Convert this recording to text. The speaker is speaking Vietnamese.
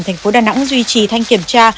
thành phố đà nẵng duy trì thanh kiểm tra